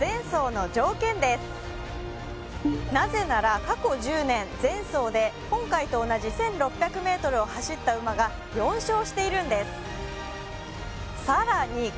なぜなら過去１０年前走芝１６００ｍ走った馬が４勝しているんです。